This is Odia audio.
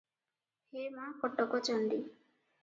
“ହେ ମା’ କଟକଚଣ୍ଡୀ!